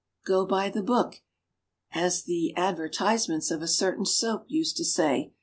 "Go by the book", as the ad vertisements of a certain soap used to say.